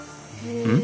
うん？